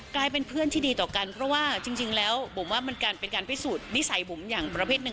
กลายเป็นเพื่อนที่ดีต่อกันเพราะว่าจริงแล้วบุ๋มว่ามันเป็นการพิสูจน์นิสัยบุ๋มอย่างประเภทหนึ่ง